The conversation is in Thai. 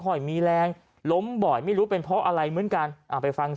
ห้อยมีแรงล้มบ่อยไม่รู้เป็นเพราะอะไรเหมือนกันอ่าไปฟัง